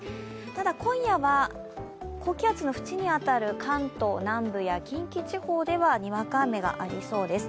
ただ今夜は高気圧の縁に当たる関東南部や近畿地方ではにわか雨がありそうです。